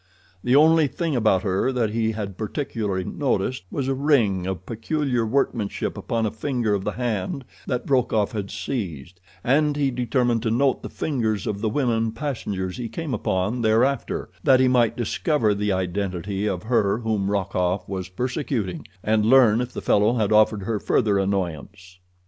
The only thing about her that he had particularly noticed was a ring of peculiar workmanship upon a finger of the hand that Rokoff had seized, and he determined to note the fingers of the women passengers he came upon thereafter, that he might discover the identity of her whom Rokoff was persecuting, and learn if the fellow had offered her further annoyance.